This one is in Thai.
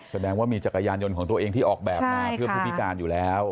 แสดงว่ามีจักรยานยนต์ของตัวเองที่ออกแบบมาเพื่อผู้พิการอยู่แล้ว